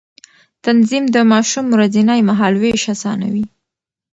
تنظيم د ماشوم ورځنی مهالوېش آسانوي.